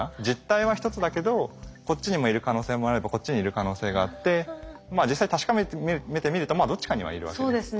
実体は１つだけどこっちにもいる可能性もあればこっちにいる可能性があって実際確かめてみてみるとどっちかにはいるわけで。